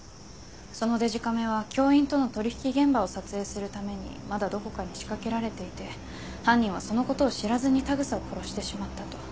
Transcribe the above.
そのデジカメは教員との取引現場を撮影するためにまだどこかに仕掛けられていて犯人はそのことを知らずに田草を殺してしまったと。